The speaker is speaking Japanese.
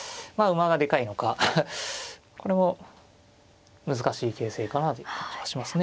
馬がでかいのかこれも難しい形勢かなという感じはしますね。